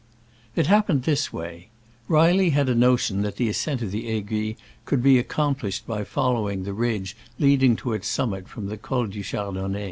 It happened in this way : Reilly had a notion that the ascent of the aiguille could be accTomplished by following the ridge leading to its summit from the Col du Chardonnet.